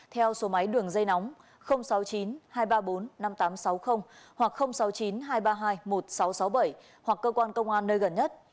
theo số máy đường dây nóng sáu mươi chín hai trăm ba mươi bốn năm nghìn tám trăm sáu mươi hoặc sáu mươi chín hai trăm ba mươi hai một nghìn sáu trăm sáu mươi bảy hoặc cơ quan công an nơi gần nhất